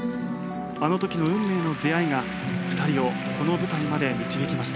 あの時の運命の出会いが２人をこの舞台まで導きました。